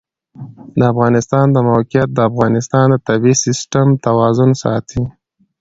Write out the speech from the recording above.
د افغانستان د موقعیت د افغانستان د طبعي سیسټم توازن ساتي.